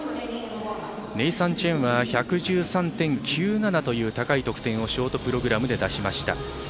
ネイサン・チェンは１１３．９７という高い得点をショートプログラムで出しました。